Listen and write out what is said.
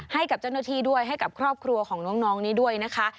ให้กับเจ้าหน้าที่ด้วยให้กับครอบครัวของน้องนี้ด้วยนะคะ